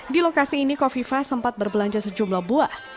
di lokasi ini kofi fah sempat berbelanja sejumlah buah